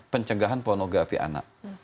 pencegahan pornografi anak